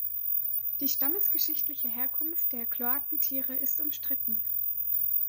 Die stammesgeschichtliche Herkunft der Kloakentiere ist umstritten.